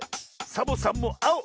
サボさんもあお！